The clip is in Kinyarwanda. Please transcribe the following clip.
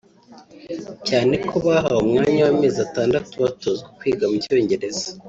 cyane ko bahawe umwanya w’amezi atandatu batozwa kwiga mu cyongereza